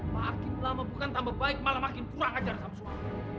makin lama bukan tambah baik malah makin kurang ajar sama sekali